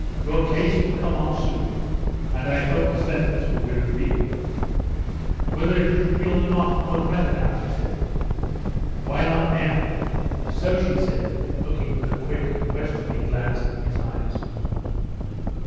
Your case will come on soon, and I hope the sentence will be repealed." "Whether it is repealed or not won't matter now," she said. "Why not now?" "So," she said, looking with a quick, questioning glance into his eyes.